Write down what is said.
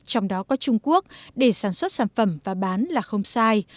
trong đó có trung quốc để sản xuất sản phẩm và bán là không sai